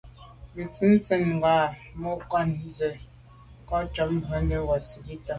Bú tɛ̌n tsjə́ŋ ŋgà sɔ̀ŋ mùcúà zə̄ à'cák câk bwɔ́ŋkə́ʼ wàsìbítà.